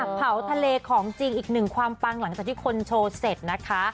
เผาทะเลของจริงอีกหนึ่งความปังหลังจากที่คนโชว์เสร็จนะคะ